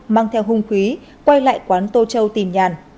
mang theo hung khí quay lại quán tô châu tìm nhàn